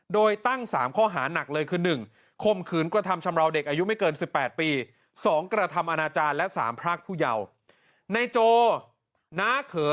โดยตั้ง๓ข้อหาหนักเลยคือ